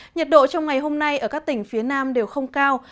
nhiệt độ trong ngày hôm nay ở các tỉnh phía nam đều không cao